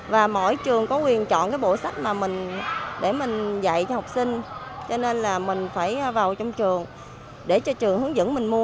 và mỗi trường có quyền chọn cái bộ sách mà mình để mình dạy cho học sinh cho nên là mình phải vào trong trường để cho trường hướng dẫn mình mua